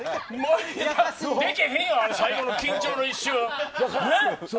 できへんよ最後の緊張の一瞬。